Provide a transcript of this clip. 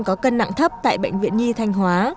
có cân nặng thấp tại bệnh viện nhi thanh hóa